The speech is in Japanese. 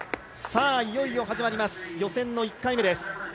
いよいよ始まります予選の１回目です。